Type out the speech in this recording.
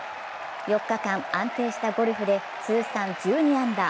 ４日間安定したゴルフで通算１２アンダー。